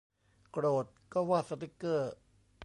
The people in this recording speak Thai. โกรธก็วาดสติกเกอร์